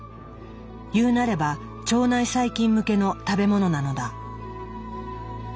いうなれば腸内細菌向けの食べ物なのだ。